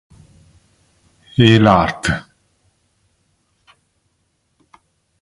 E l'art.